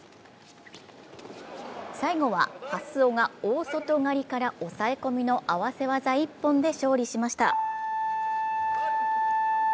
最後は蓮尾が大外刈りの抑え込みの合わせ技一本で勝利しました。